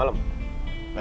ayo masuk ke dalam